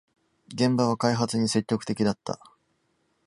現場は開発に積極的だった